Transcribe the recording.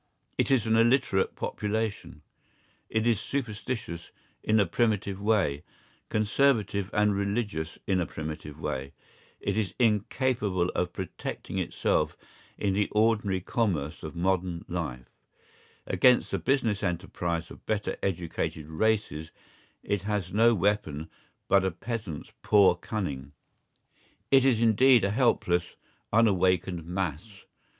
It is an illiterate population. It is superstitious in a primitive way, conservative and religious in a primitive way, it is incapable of protecting itself in the ordinary commerce of modern life; against the business enterprise of better educated races it has no weapon but a peasant's poor cunning. It is, indeed, a helpless, unawakened mass.